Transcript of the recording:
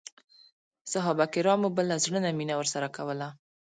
صحابه کرامو به له زړه نه مینه ورسره کوله.